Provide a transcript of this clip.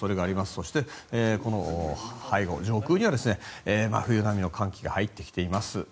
そして、この背後、上空には真冬並みの寒気が入ってきています。